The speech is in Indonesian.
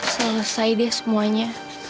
selesai deh semuanya